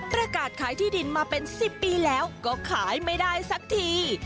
ประกาศขายที่ดินมาเป็น๑๐ปีแล้วก็ขายไม่ได้สักที